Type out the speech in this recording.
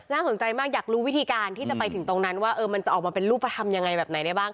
สนใจมากอยากรู้วิธีการที่จะไปถึงตรงนั้นว่ามันจะออกมาเป็นรูปธรรมยังไงแบบไหนได้บ้าง